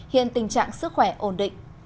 hiện tình trạng sức khỏe ổn định